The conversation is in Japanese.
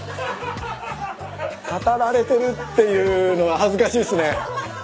「語られてる」っていうのは恥ずかしいっすね。